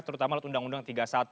terutama undang undang tiga puluh satu